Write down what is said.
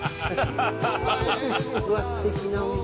うわすてきなお店。